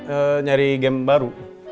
eh nyari game baru